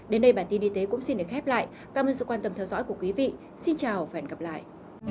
đến đây bản tin y tế cũng xin được khép lại cảm ơn sự quan tâm theo dõi của quý vị xin chào và hẹn gặp lại